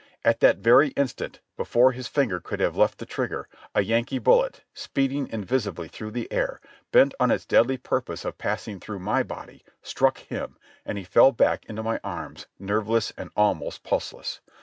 At that very instant, before his finger could have left the trigger, a Yankee bullet, speeding invisibly through the air, bent on its deadly purpose of passing through my body, struck him, and he fell back into my arms nerveless and almost pulseless.